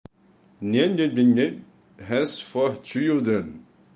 Ndwandwe has four children.